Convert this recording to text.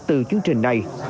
từ chương trình này